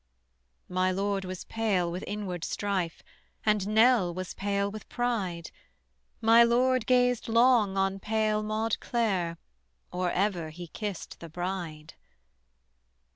My lord was pale with inward strife, And Nell was pale with pride; My lord gazed long on pale Maude Clare Or ever he kissed the bride.